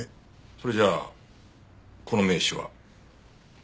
それじゃあこの名刺は？